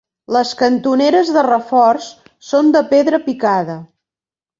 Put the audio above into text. Les cantoneres de reforç són de pedra picada.